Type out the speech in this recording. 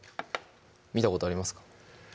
見たことありますか？